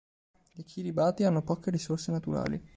Le Kiribati hanno poche risorse naturali.